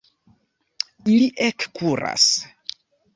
Ili ekkuras.